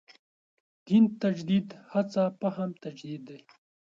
دین تجدید هڅه فهم تجدید دی.